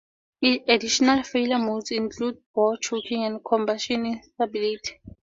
Additional failure modes include bore choking and combustion instability.